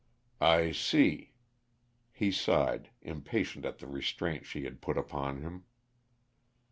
"I see." He sighed, impatient at the restraint she had put upon him.